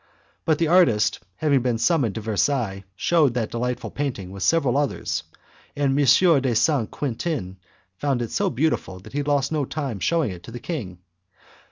But the artist, having been summoned to Versailles, shewed that delightful painting with several others, and M. de St. Quentin found it so beautiful that he lost no time in shewing it the king.